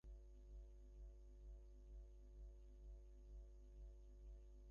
তারপর শশীই প্রাণপণে ভুতোর চিকিৎসা করিতেছে, দিনে দুইবার তিনবার আসে।